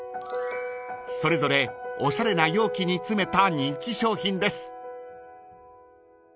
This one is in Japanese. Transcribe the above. ［それぞれおしゃれな容器に詰めた人気商品です］